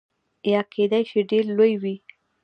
یا کیدای شي ډیر لوی وي.